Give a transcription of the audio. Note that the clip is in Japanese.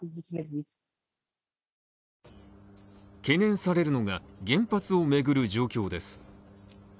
懸念されるのが原発を巡る状況です。